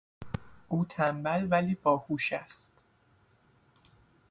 او تنبل ولی باهوش است.